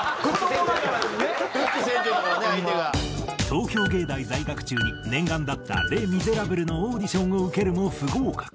東京藝大在学中に念願だった『レ・ミゼラブル』のオーディションを受けるも不合格。